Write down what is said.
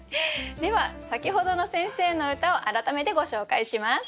では先ほどの先生の歌を改めてご紹介します。